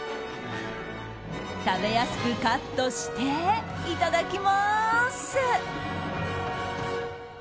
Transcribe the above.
食べやすくカットしていただきます。